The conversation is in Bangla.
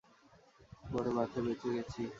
বড় বাঁচা বেঁচে গেছি।